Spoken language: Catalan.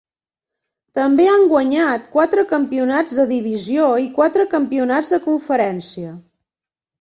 També han guanyat quatre campionats de divisió i quatre campionats de conferència.